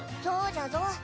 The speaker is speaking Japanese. そうじゃぞ。